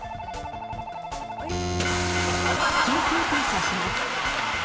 緊急停車します。